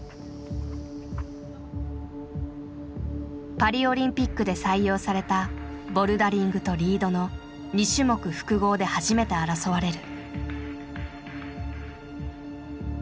パリオリンピックで採用されたボルダリングとリードの「２種目複合」で初めて争われる。